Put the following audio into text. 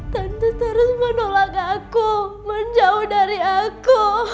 tante harus menolak aku menjauh dari aku